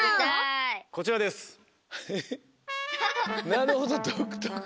なるほどどくとく。